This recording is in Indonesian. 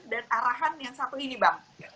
dan arahan yang satu ini bang